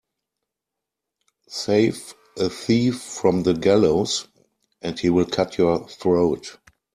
Save a thief from the gallows and he will cut your throat.